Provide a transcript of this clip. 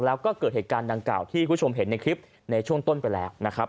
แล้วก็เกิดเหตุการณ์ดังกล่าวที่คุณผู้ชมเห็นในคลิปในช่วงต้นไปแล้วนะครับ